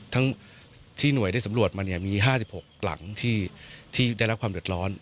ทั้งที่หน่วยได้สำรวจมามี๕๖หลังที่ได้รับความเดือดร้อน